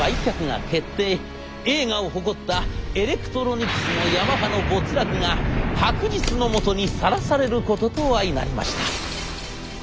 栄華を誇ったエレクトロニクスのヤマハの没落が白日のもとにさらされることと相成りました。